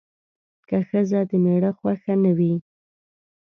که ښځه د میړه خوښه نه وي